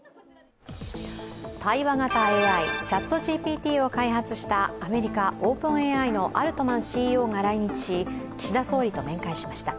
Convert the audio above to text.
対話型ＡＩ、ＣｈａｔＧＰＴを開発したアメリカＯｐｅｎＡＩのアルトマンＣＥＯが来日し岸田総理と面会しました。